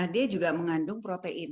dia juga mengandung protein